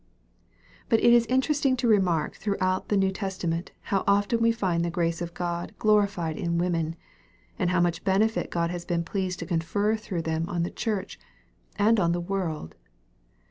But it is interesting to remark throughout the New Testament how often we find the grace of God glorified in women, and how much benefit God has been pleased to confer through them on the Church, and on the world.